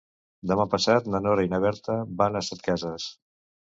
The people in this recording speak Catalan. Demà passat na Nora i na Berta van a Setcases.